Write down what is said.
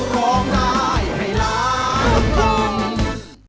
ร้องได้ให้รัก